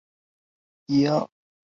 诺维昂奥普雷。